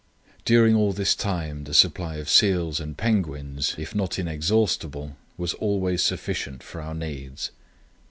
During all this time the supply of seals and penguins, if not inexhaustible, was always sufficient for our needs.